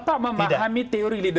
karena anda sudah mengoreksi